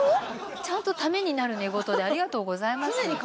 ちゃんとためになる寝言でありがとうございますね